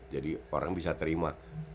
jadi orang bisa terima